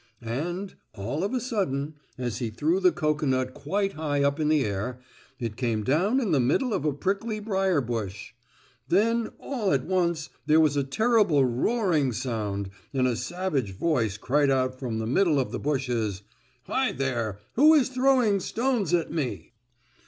And, all of a sudden, as he threw the cocoanut quite high up in the air, it came down in the middle of a prickly briar bush. Then, all at once, there was a terrible roaring sound and a savage voice cried out from the middle of the bushes: "Hi, there! Who is throwing stones at me?"